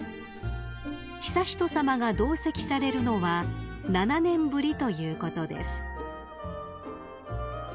［悠仁さまが同席されるのは７年ぶりということです］